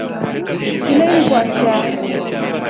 Shule ili kwasha.